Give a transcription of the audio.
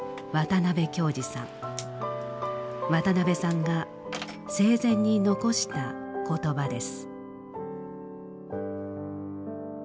渡辺さんが生前に遺した言葉です。